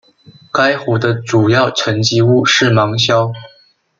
该湖的主要沉积物是芒硝。